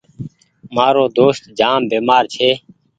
مآرو دوست جآم بيمآر ڇي۔